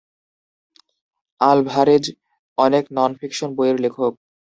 Alvarez অনেক nonfiction বইয়ের লেখক।